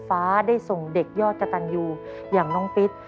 ฟ้าได้ส่งเด็กยอดกระตันยูอย่างน้องปิ๊ด